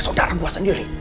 saudara gue sendiri